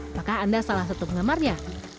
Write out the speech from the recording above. apakah anda salah satu penggemarnya